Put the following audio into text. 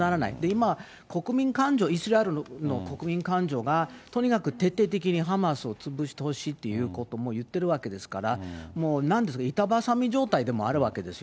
今、国民感情、イスラエルの国民感情がとにかく徹底的にハマスを潰してほしいということを言ってるわけですから、もうなんですか、板挟み状態でもあるわけですよ。